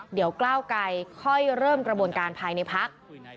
เดี๋ยวก้าวไกลค่อยเริ่มกระบวนการภายในพัก